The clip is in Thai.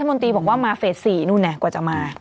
รัฐมนตรีบอกว่ามาเฟส๔กว่าจะมา